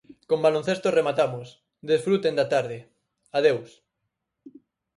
Con baloncesto rematamos, desfruten da tarde... Adeus.